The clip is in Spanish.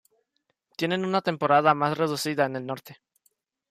Tienen una temporada más reducida en el norte.